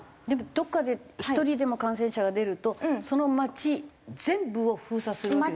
でもどこかで１人でも感染者が出るとその街全部を封鎖する？